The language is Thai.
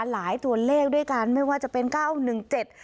หลายตัวเลขด้วยกันไม่ว่าจะเป็นเก้าหนึ่งเจ็ด